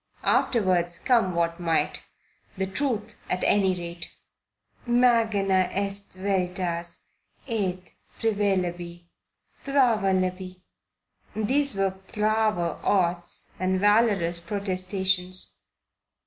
Afterwards come what might. The Truth at any rate. Magna est veritas et praevalebit. These were "prave 'orts" and valorous protestations.